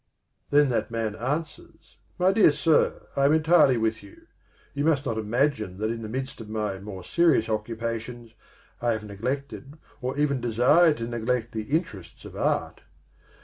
Then that man answers: "My dear sir, I am entirely with you. You must not imagine that in the midst of my more serious occupations I have neglected or even desired to neglect the Interests of Art.